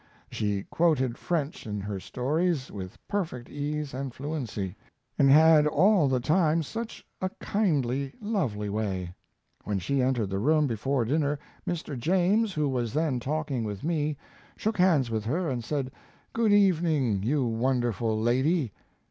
She quoted French in her stories with perfect ease and fluency, and had all the time such a kindly, lovely way. When she entered the room, before dinner, Mr. James, who was then talking with me, shook hands with her and said, "Good evening, you wonderful lady."